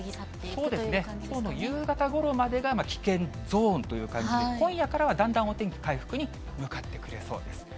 そうですね、きょうの夕方ごろまでが危険ゾーンという感じで、今夜からはだんだんお天気、回復に向かってくれそうです。